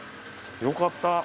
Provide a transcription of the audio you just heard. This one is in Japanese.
よかった！